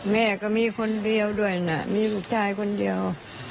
แม่ก็มีคนเดียวด้วยนะมีลูกชายคนเดียว